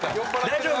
大丈夫？